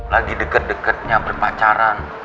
lagi deket deketnya berpacaran